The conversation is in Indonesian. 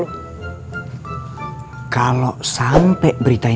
lepas hugo diselamatkan